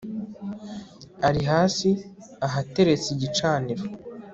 ari hasi ahateretse igicaniro